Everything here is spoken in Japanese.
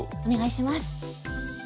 お願いします。